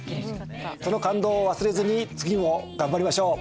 この感動を忘れずに次も頑張りましょう！